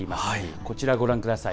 こちらご覧ください。